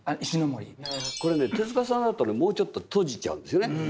これね手さんだともうちょっと閉じちゃうんですよね。